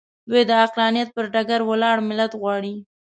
دوی د عقلانیت پر ډګر ولاړ ملت غواړي.